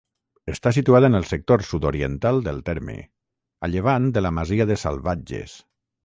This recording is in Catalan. Està situada en el sector sud-oriental del terme, a llevant de la masia de Salvatges.